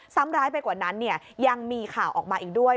ร้ายไปกว่านั้นยังมีข่าวออกมาอีกด้วย